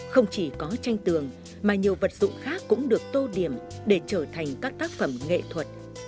không chỉ có tranh tường mà nhiều vật dụng khác cũng được tô điểm để trở thành các tác phẩm nghệ thuật